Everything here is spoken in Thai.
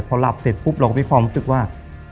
พอหลับเสร็จปุ๊บเราก็มีความรู้สึกว่า